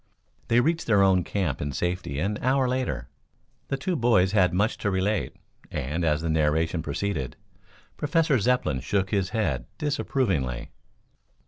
They reached their own camp in safety an hour later. The two boys had much to relate, and as the narration proceeded, Professor Zepplin shook his head disapprovingly.